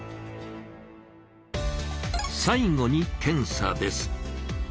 最後に「検査」です。